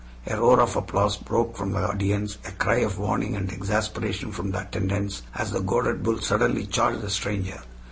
A roar of applause broke from the audience, a cry of warning and exasperation from the attendants, as the goaded bull suddenly charged the stranger.